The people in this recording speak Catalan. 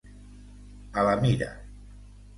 A la mira.